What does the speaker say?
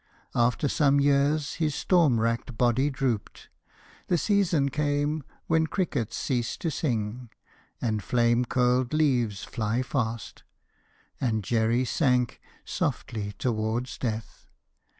After some years his storm racked body drooped. The season came when crickets cease to sing And flame curled leaves fly fast; and Jerry sank Softly toward death.